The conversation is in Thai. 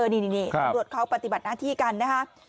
นี่นี่นี่ครับตรวจเขาปฏิบัติหน้าที่กันนะคะ